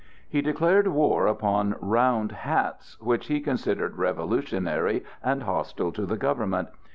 He declared war upon round hats, which he considered revolutionary and hostile to the government.